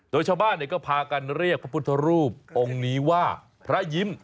โดยชาวบ้านก็พากันเรียกพระพุทธรูปองค์นี้ว่าพระยิ้ม